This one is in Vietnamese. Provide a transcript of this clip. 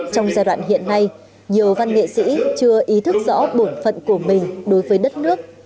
trong giai đoạn hiện nay nhiều văn nghệ sĩ chưa ý thức rõ bổn phận của mình đối với đất nước